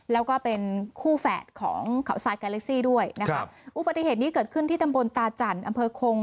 แล้วก็เป็นคู่แฝดของข่าวทรายนี่ด้วยนะครับอุปติเหตุนี้เกิดขึ้นที่ตำบลตาจันทร์